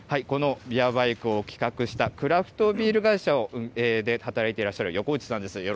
このビアバイクを企画した、クラフトビール会社で働いてらっしゃる横内さんです。